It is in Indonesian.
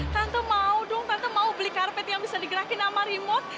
tante mau dong tentu mau beli karpet yang bisa digerakin sama remote